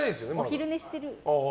お昼寝してる。